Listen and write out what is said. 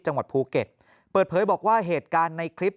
จังหวัดภูเก็ตเปิดเผยบอกว่าเหตุการณ์ในคลิป